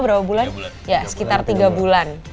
berapa bulan ya sekitar tiga bulan